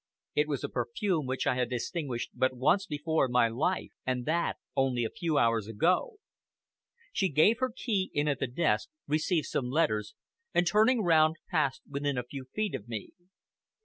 It was a perfume which I had distinguished but once before in my life, and that only a few hours ago. She gave her key in at the desk, received some letters, and turning round passed within a few feet of me.